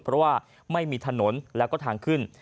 เพราะว่าไม่มีถนนแล้วก็ทางขึ้น